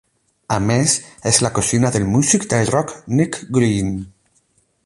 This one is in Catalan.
A més, és la cosina del músic de rock Nicke Green.